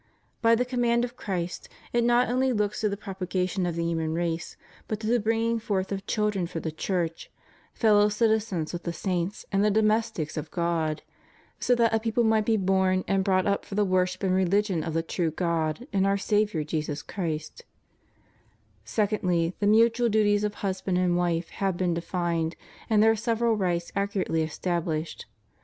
By the command of Christ, it not only looks to the propagation of the human race, but to the bringing forth of children for the Church, fellow citizens with the saints, and the domestics of God;^ so that a people might be born and brought up for the worship and religion of the true God and our Saviour Jesus Christ}^ Secondly, the mutual duties of husband and wife have been defined, and their several rights accurately estab lished.